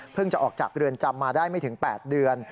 จะออกจากเรือนจำมาได้ไม่ถึง๘เดือน